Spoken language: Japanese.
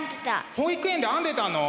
保育園で編んでたの？